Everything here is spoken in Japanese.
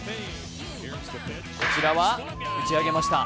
こちらは、打ち上げました。